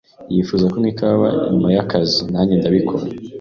"Yifuza kunywa ikawa nyuma y'akazi." "Nanjye ndabikora."